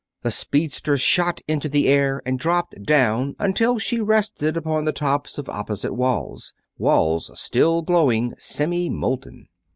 The speedster shot into the air and dropped down until she rested upon the tops of opposite walls; walls still glowing, semi molten.